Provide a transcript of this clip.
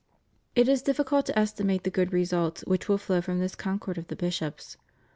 It is dijfficult to estimate the good results which will flow from this concord of the bishops.